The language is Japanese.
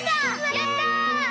やった！